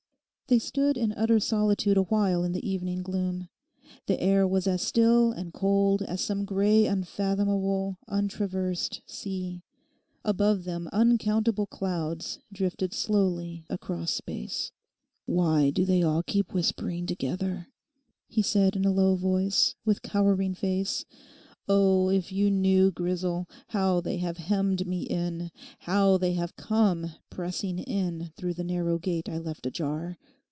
They stood in utter solitude awhile in the evening gloom. The air was as still and cold as some grey unfathomable untraversed sea. Above them uncountable clouds drifted slowly across space. 'Why do they all keep whispering together?' he said in a low voice, with cowering face. 'Oh if you knew, Grisel, how they have hemmed me in; how they have come pressing in through the narrow gate I left ajar.